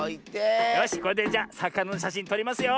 よしこれでじゃさかなのしゃしんとりますよ。